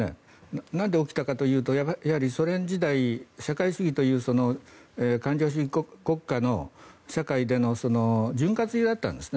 なんで起きたかというとやはりソ連時代社会主義という国家の社会での潤滑油だったんですね。